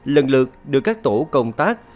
lần lượt được các tổ công tác